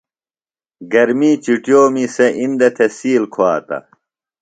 گرمی چُٹیومی سےۡ اِندہ تھےۡ سیل کُھواتہ۔